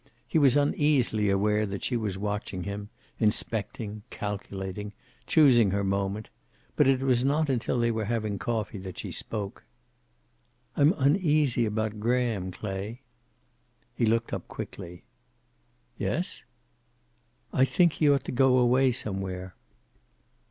He was uneasily aware that she was watching him, inspecting, calculating, choosing her moment. But it was not until they were having coffee that she spoke. "I'm uneasy about Graham, Clay." He looked up quickly. "Yes?" "I think he ought to go away somewhere."